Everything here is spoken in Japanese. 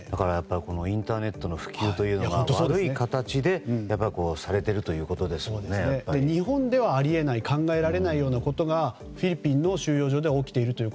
インターネットの普及というのが悪い形で日本ではあり得ない考えられないようなことがフィリピンの収容所で起きていると。